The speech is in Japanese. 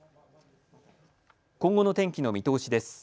今後の天気の見通しです。